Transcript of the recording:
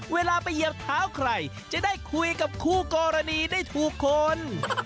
เวลาไปเหยียบเท้าใครจะได้คุยกับคู่กรณีได้ถูกคน